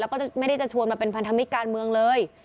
แล้วก็ไม่ได้จะชวนมาเป็นพันธมิตรการเมืองเลย